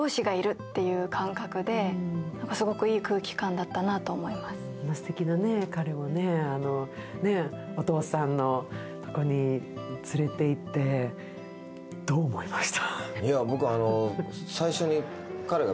あんなすてきな彼をね、お父さんのもとに連れていってどう思いました？